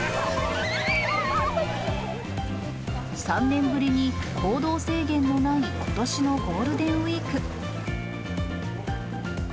３年ぶりに行動制限のないことしのゴールデンウィーク。